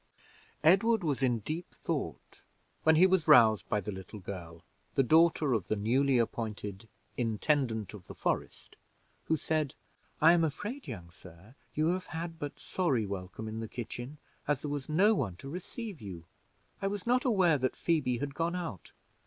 Edward was in deep thought, when he was roused by the little girl, the daughter of the newly appointed intendant of the forest, who said: "I am afraid, young sir, you have had but sorry welcome in the kitchen, as there was no one to receive you. I was not aware that Phoebe had gone out.